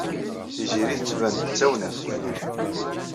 Tiziri tettban-d d tawnaft.